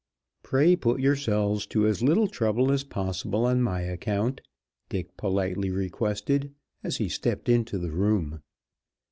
"Pray put yourselves to as little trouble as possible on my account," Dick politely requested as he stepped into the room.